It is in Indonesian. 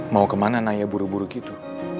mau kemana naya buru buru gitu